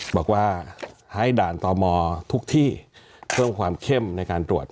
บอกว่าให้ด่านต่อมอทุกที่เพิ่มความเข้มในการตรวจ